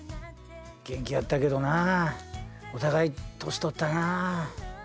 元気やったけどなお互い年とったな。